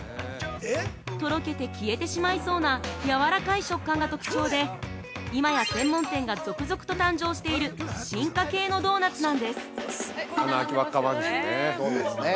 とろけて消えてしまいそうなやわらかい食感が特徴で今や専門店が続々と誕生している進化系のドーナツなんです。